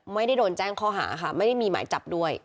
ไม่ได้โดนแจ้งข้อหาค่ะไม่ได้มีหมายจับด้วย